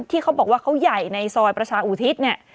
ที่เขาบอกว่าเขาใหญ่ในซอยประชาอุทิศเนี่ย